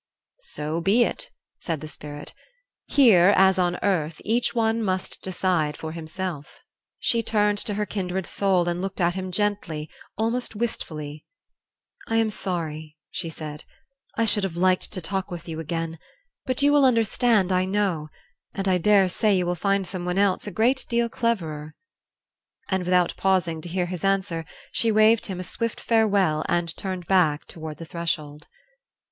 "So be it," said the Spirit. "Here, as on earth, each one must decide for himself." She turned to her kindred soul and looked at him gently, almost wistfully. "I am sorry," she said. "I should have liked to talk with you again; but you will understand, I know, and I dare say you will find someone else a great deal cleverer " And without pausing to hear his answer she waved him a swift farewell and turned back toward the threshold.